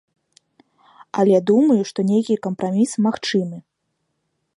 Але думаю, што нейкі кампраміс магчымы.